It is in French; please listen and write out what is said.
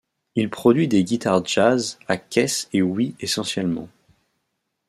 Il produit des guitares Jazz à caisse et ouïes essentiellement.